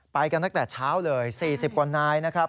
ไปกันตั้งแต่เช้าเลย๔๐กว่านายนะครับ